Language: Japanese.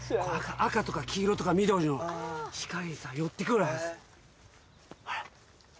赤とか黄色とか緑の光にさ寄って来るはず。